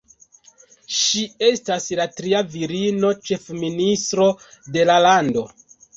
Ŝi estas la tria virino-ĉefministro de la lando.